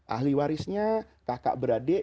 ahli warisnya kakak berade